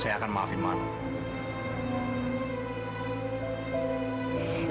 saya akan maafi manuhara